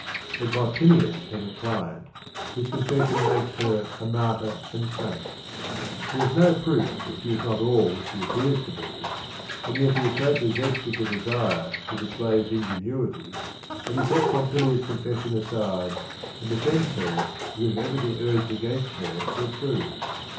But Bottinius has a cli ent whose confession mak es h er a martyr and saint . He has no proof that she is not all that she appears to be, and yet he is so possessed with t he desire to d ispla y his ing e nuit y that he sets Pompilia's confession aside, a nd defends ^ her as if everything urged against h er we re tru e.